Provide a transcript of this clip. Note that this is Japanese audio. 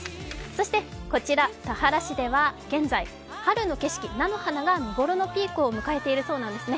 そしてこちら、田原市では現在春の景色、菜の花が見頃のピークを迎えているそうなんですね。